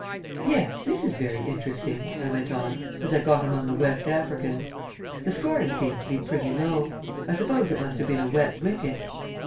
Yes, this is very interesting," I went on, as I got among the West Africans. "The scoring seems to be pretty low; I suppose it must have been a wet wicket.